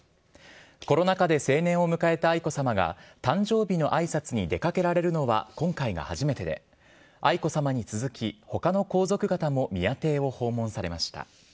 コロナ禍で成年を迎えた愛子さまが、誕生日のあいさつに出かけられるのは今回が初めてで、愛子さまに続き、ほかの皇族方も宮邸を訪問されました。